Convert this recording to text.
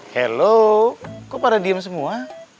halo kok pada diem semua